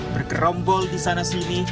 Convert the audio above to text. bergerombol di sana sini